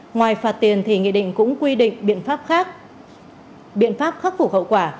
ngoài phạt tiền thì nghị định cũng quy định biện pháp khác phục hậu quả